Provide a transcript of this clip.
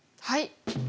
はい。